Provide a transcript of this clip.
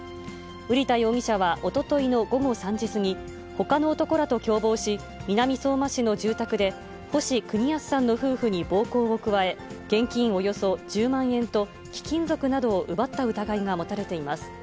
瓜田容疑者はおとといの午後３時過ぎ、ほかの男らと共謀し、南相馬市の住宅で、星邦康さんの夫婦に暴行を加え、現金およそ１０万円と貴金属などを奪った疑いが持たれています。